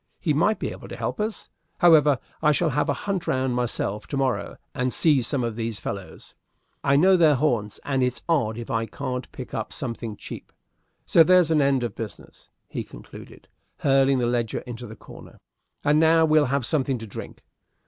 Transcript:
He might be able to help us. However, I shall have a hunt round myself to morrow, and see some of these fellows. I know their haunts, and it's odd if I can't pick up something cheap. So there's an end of business," he concluded, hurling the ledger into the corner; "and now we'll have something to drink."